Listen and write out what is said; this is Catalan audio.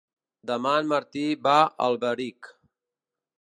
Demà en Martí va a Alberic.